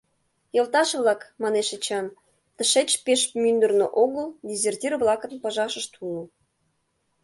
— Йолташ-влак, — манеш Эчан, — тышеч пеш мӱндырнӧ огыл дезертир-влакын пыжашышт уло.